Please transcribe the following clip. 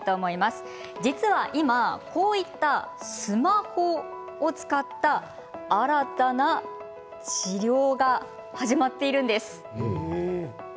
実は今、こういったスマホを使った新たな治療が始まっているんです。